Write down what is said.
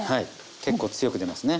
結構強く出ますね。